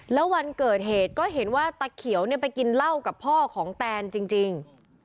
แล้ววันเกิดเหตุก็เห็นว่าตะเขียวไปกินเหล้ากับพ่อของแตนจริง